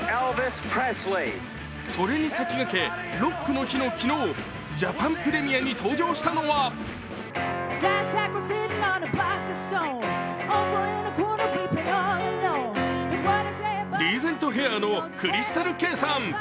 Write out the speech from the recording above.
それに先駆けロックの日の昨日ジャパンプレミアに登場したのはリーゼントヘアのＣｒｙｓｔａｌＫａｙさん